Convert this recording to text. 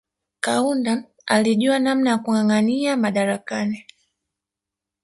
Kaunda alijua namna ya kungangania madarakani